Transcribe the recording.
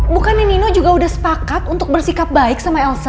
bukannya nino juga sudah sepakat untuk bersikap baik sama elsa